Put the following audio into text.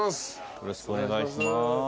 よろしくお願いします。